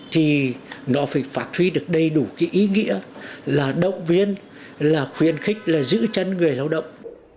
thì nó phải phát huy được đầy đủ cái ý nghĩa là động viên là khuyên khích là giữ chân người lao động